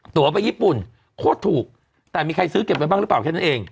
ตัวไปญี่ปุ่นโคตรถูกแต่มีใครซื้อเก็บไว้บ้างหรือเปล่าแค่นั้นเอง